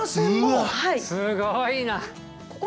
すごいな。